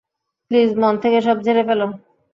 Please মন থেকে সব ঝেড়ে ফেলো!